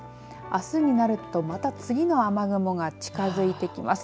あすになると、また次の雨雲が近づいてきます。